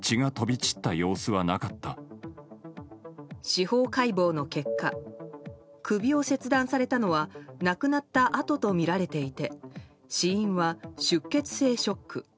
司法解剖の結果首を切断されたのは亡くなったあととみられていて死因は出血性ショック。